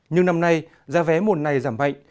nhưng năm nay giá vé mùa này giảm mạnh